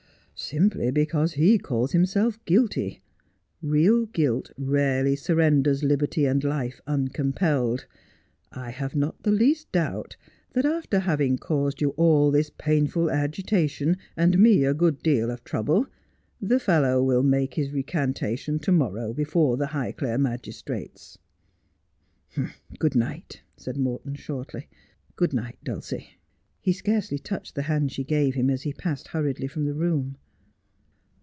' Simply because he calls himself guilty. Real guilt rarely surrenders liberty and life uncompelled. I have not the least doubt that, after having caused you all this painful agitation, and me a good deal of trouble, the fellow will make his recantation to morrow before the Highclere magistrates.' 'Good night,' said Morton shortly. 'Good night, Dulcie.' He scarcely touched the hand she gave him as he passed hurriedly from the room.